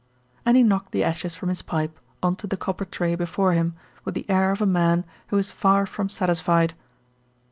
And he knocked the ashes from his pipe on to the copper tray before him with the air of a man who is far from satisfied.